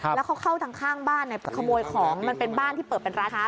แล้วเขาเข้าทางข้างบ้านขโมยของมันเป็นบ้านที่เปิดเป็นร้านค้า